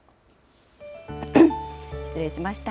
失礼しました。